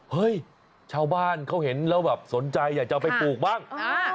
เฮ้ยชาวบ้านเขาเห็นแล้วแบบสนใจอยากจะเอาไปปลูกบ้าง